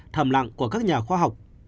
thầm lặng của các nhà khoa học